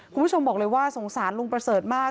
คุณผู้ชมบอกเลยว่าสงสารลุงประเสริฐมาก